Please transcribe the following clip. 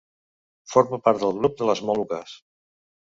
Forma part del grup de les Moluques.